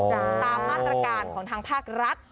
ตามมาตรการของทางภาครัฐ